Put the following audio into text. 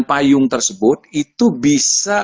payung tersebut itu bisa